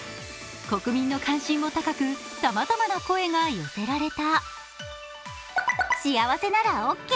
国民の関心も高く、さまざまな声が寄せられた。